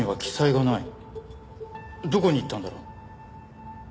どこにいったんだろう？